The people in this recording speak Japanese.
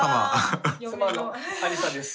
妻のありさです。